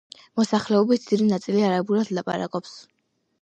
მოსახლეობის დიდი ნაწილი არაბულად ლაპარაკობს.